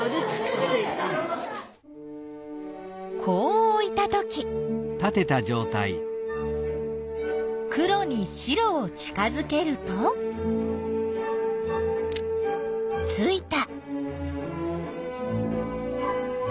こうおいたとき黒に白を近づけるとついた。